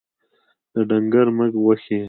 د ډنګر مږ غوښي